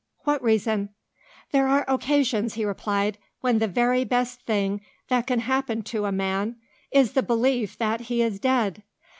"What reason?" "There are occasions," he replied, "when the very best thing that can happen to a man is the belief that he is dead.